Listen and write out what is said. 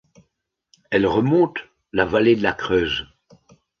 Elle remonte la vallée de la Creuse.